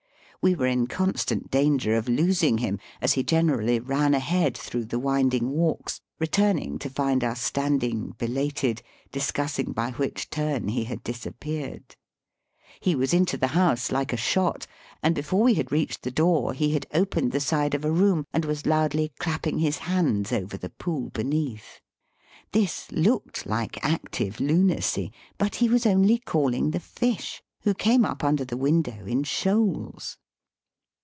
We were in constant danger of losing him, as he generally ran ahead through the winding walks, returning to find us standing belated, dis cussing by which turn he had disappeared. He was into the house like a shot, and before we had reached the door he had opened the side of a room, and was loudly clapping his hands over the pool beneath. This looked like active lunacy; but he was only calling the fish, who came up under the window in shoals.